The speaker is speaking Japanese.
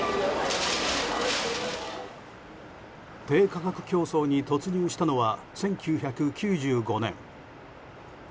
低価格競争に突入したのは１９９５年。